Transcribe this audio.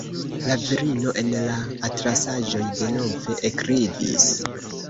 La virino en la atlasaĵoj denove ekridis.